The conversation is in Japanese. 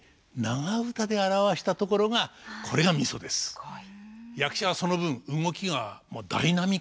すごい。